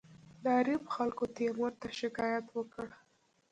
د آریوب خلکو تیمور ته شکایت وکړ.